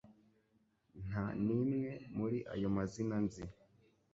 Nta n'imwe muri ayo mazina nzi